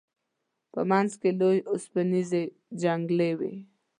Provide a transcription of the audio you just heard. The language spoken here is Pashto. په منځ کې لوی اوسپنیزې جنګلې وې.